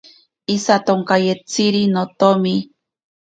Isatonkayetziri notomi.